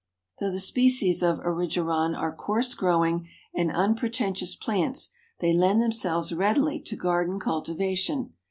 Though the species of Erigeron are coarse growing and unpretentious plants, they lend themselves readily to garden cultivation.